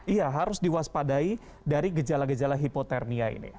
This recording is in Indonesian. iya harus diwaspadai dari gejala gejala hipotermia ini